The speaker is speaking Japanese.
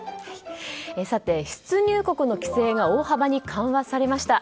出入国の規制が大幅に緩和されました。